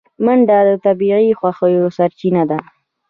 منډه د طبیعي خوښیو سرچینه ده